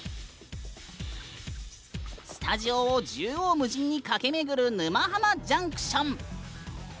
スタジオを縦横無尽に駆け巡る沼ハマジャンクション。